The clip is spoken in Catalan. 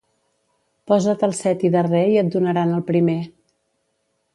Posa't al seti darrer i et donaran el primer.